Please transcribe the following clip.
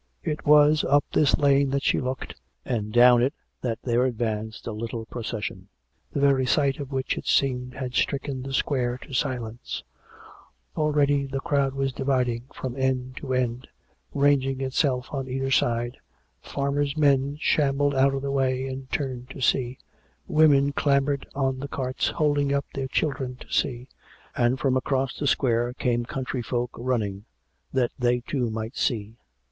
It was up this lane that she looked, and down it that there advanced a little procession, the very sight of which, it seemed, had stricken the square to silence. Already the crowd was dividing from end to end, ranging itself on either side — farmers' men shambled out of the way and turned to see; women clambered on the carts hold ing up their children to see, and from across the square came country folk running, that they too might see.